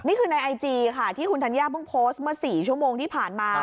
นี่คือในไอจีค่ะที่คุณธัญญาเพิ่งโพสต์เมื่อ๔ชั่วโมงที่ผ่านมา